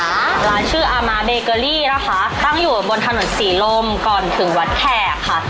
ร้านชื่ออามาเบเกอรี่นะคะตั้งอยู่บนถนนศรีลมก่อนถึงวัดแขกค่ะ